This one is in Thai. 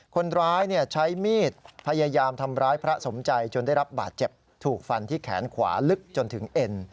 คนร้ายใช้มีดพยายามทำร้ายพระสมใจจนได้รับบาดเจ็บถูกฟันที่แขนขวาลึกจนถึงเอ็น